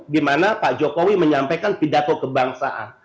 dimana pak jokowi menyampaikan pidato kebangsaan